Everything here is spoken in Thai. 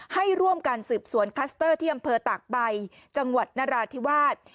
ให้ร่วมการสืบสวนคลัสเตอร์ที่อำเภอตากใบจังหวัดนราธิวาส